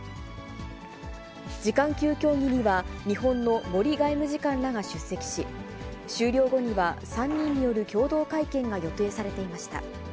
次官級協議には、日本の森外務次官らが出席し、終了後には、３人による共同会見が予定されていました。